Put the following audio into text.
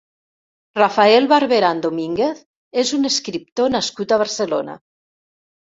Rafael Barberán Domínguez és un escriptor nascut a Barcelona.